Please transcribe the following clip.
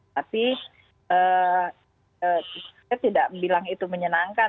tapi saya tidak bilang itu menyenangkan